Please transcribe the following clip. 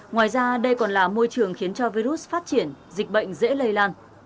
ngoài ra đây còn là môi trường khiến cho virus phát triển dịch bệnh dễ lây lan